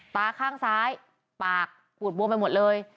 ตาข้างซ้ายปากปูดบวมไปหมดเลย